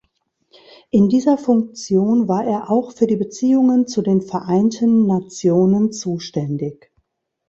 In dieser Funktion war er auch für die Beziehungen zu den Vereinten Nationen zuständig.